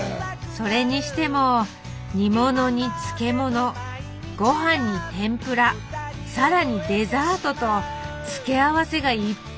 それにしても煮物に漬物ごはんに天ぷら更にデザートと付け合わせがいっぱい。